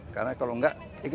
karena kalau enggak itu akan